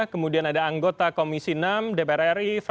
kemudian ada anggota komisi enam dpr ri